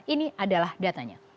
ini adalah datanya